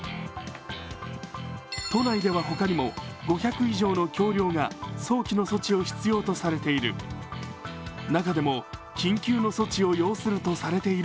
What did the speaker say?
都内では他にも５００以上の橋梁が早期の措置を必要とされている。